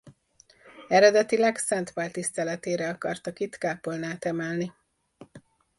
Eredetileg Szent Pál tiszteletére akartak itt kápolnát emelni.